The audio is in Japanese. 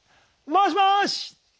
もしもし！